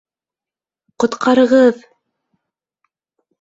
— Ҡотҡарығыҙ!